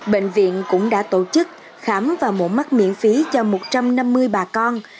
bệnh viện cũng đã tổ chức khám và mộ mắt miễn phí cho một trăm năm mươi bà con